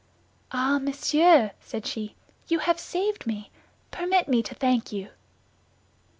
"Ah, monsieur!" said she, "you have saved me; permit me to thank you."